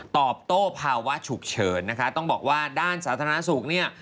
ตอบโต้ภาวะฉุกเฉินนะคะต้องบอกว่าด้านสาธารณสุขเนี่ย